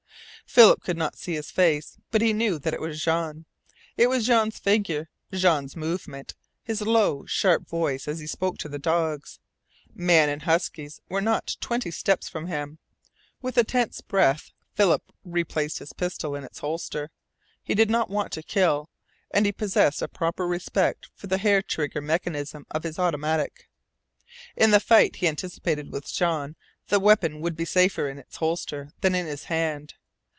Philip could not see his face, but he knew that it was Jean. It was Jean's figure, Jean's movement, his low, sharp voice as he spoke to the dogs. Man and huskies were not twenty steps from him. With a tense breath Philip replaced his pistol in its holster. He did not want to kill, and he possessed a proper respect for the hair trigger mechanism of his automatic. In the fight he anticipated with Jean the weapon would be safer in its holster than in his hand.